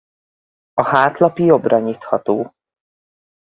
A hátlap jobbra nyitható.